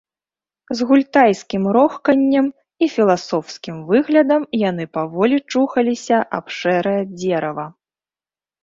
З гультайскім рохканнем і філасофскім выглядам яны паволі чухаліся аб шэрае дзерава.